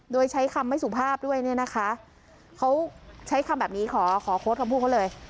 โดยใช้คำไม่สุภาพด้วยเนี่ยนะคะเขาใช้คำแบบนี้ขอขอโค้ดคำพูดเขาเลย